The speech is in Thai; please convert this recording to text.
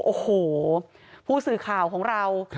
โอ้โหผู้สื่อข่าวของเรา